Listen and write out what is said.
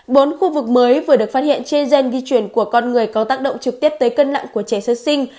bốn khu vực mới vừa được phát hiện trên gen di chuyển của con người có tác động trực tiếp tới cân nặng của trẻ sơ sinh